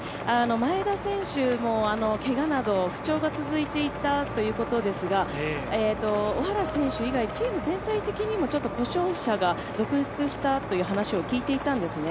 前田選手もけがなど不調が続いていたということですが、小原選手以外チーム全体的に故障者が続出したという話を聞いていたんですね。